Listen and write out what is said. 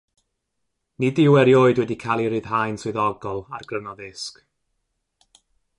Nid yw erioed wedi cael ei ryddhau'n swyddogol ar gryno ddisg.